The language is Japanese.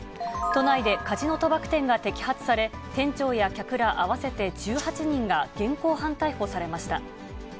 都内でカジノ賭博店が摘発され、店長や客ら合わせて１８人が現行犯逮捕されました。